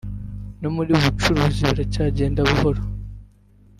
no muri bucuruzi biracyagenda buhoro”